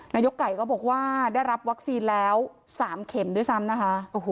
นายกไก่ก็บอกว่าได้รับวัคซีนแล้ว๓เข็มด้วยซ้ำนะคะ